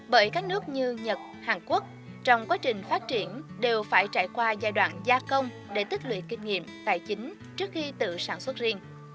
bởi các nước như nhật hàn quốc trong quá trình phát triển đều phải trải qua giai đoạn gia công để tích luyện kinh nghiệm tài chính trước khi tự sản xuất riêng